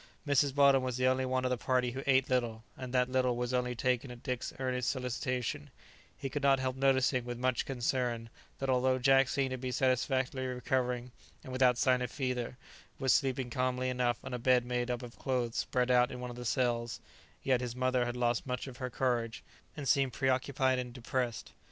[Illustration: The naturalist now fairly mounted on a favourite hobby.] Mrs. Weldon was the only one of the party who ate little; and that little was only taken at Dick's earnest solicitation; he could not help noticing, with much concern, that although Jack seemed to be satisfactorily recovering, and, without sign of fever, was sleeping calmly enough on a bed made up of clothes spread out in one of the cells, yet his mother had lost much of her courage, and seemed preoccupied and depressed.